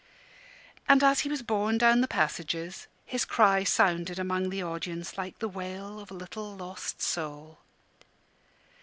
And as he was borne down the passages his cry sounded among the audience like the wail of a little lost soul.